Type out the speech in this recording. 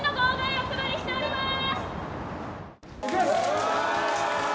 お配りしております！